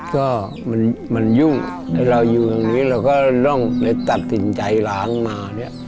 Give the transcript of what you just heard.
ก็มันยุ่งเราอยู่ตรงนี้เราก็ต้องตัดสินใจหล้างมา